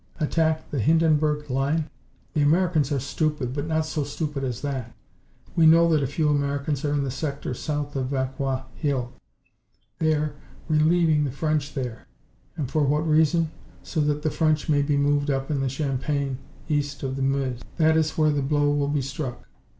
"Attack the Hindenburg Line? The Americans are stupid, but not so stupid as that. We know that a few Americans are in the sector south of Vauquois Hill. They are relieving the French there. And for what reason? So that the French may be moved up in the Champagne, east of the Meuse. That is where the blow will be struck.